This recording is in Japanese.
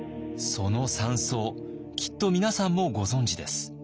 その山荘きっと皆さんもご存じです。